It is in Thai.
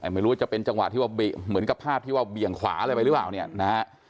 ไม่รู้จะเป็นจังหวะที่ว่าเหมือนกับภาพที่ว่าเบี่ยงขวาเลยหรือเปล่า